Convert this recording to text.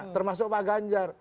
termasuk pak ganjar